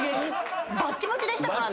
バッチバチでしたからね。